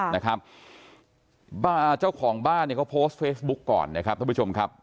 นะครับเจ้าของบ้านเนี่ยเขาโพสต์เฟซบุ๊กก่อนนะครับท่านผู้ชมครับ